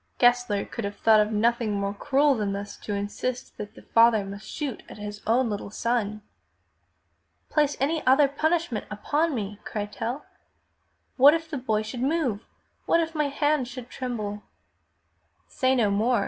Gessler could have thought of nothing more cruel than thus to insist that the father must shoot at his own little son. "Place any other punishment upon me!" cried Tell. *'What if the boy should move? What if my hand should tremble?" "Say no more!"